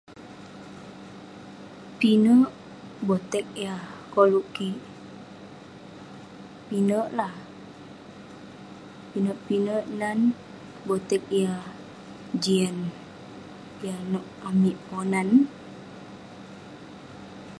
Pinek botek yah koluk kik..pinek lah..pinek pinek nan botek yah jian, yah nouk amik ponan..